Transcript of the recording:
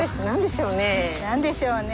何でしょうね？